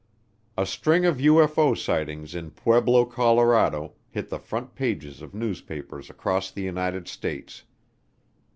A string of UFO sightings in Pueblo, Colorado, hit the front pages of newspapers across the United States.